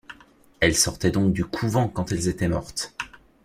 Elles sortaient donc du couvent quand elles étaient mortes.